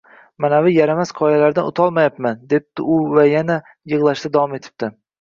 Manavi yaramas qoyalardan o‘tolmayapman, – debdi u va yana yig‘lashda davom etibdi